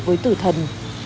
với tử thần